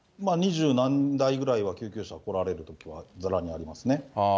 二十何台ぐらいは、救急車来られるときはざらにありますね。